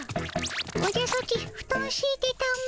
おじゃソチふとんしいてたも。